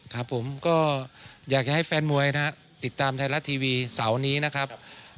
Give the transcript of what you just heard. ครับผมก็อยากจะให้แฟนมวยนะครับติดตามไทยรัฐทีวีเสาร์นี้นะครับ